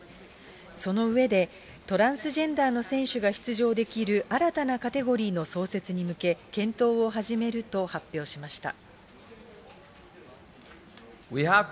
その上で、トランスジェンダーの選手が出場できる、新たなカテゴリーの創設に向け、検討を始めると発表しました。